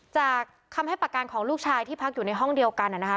จากคำให้ปากการของลูกชายที่พักอยู่ในห้องเดียวกันนะคะ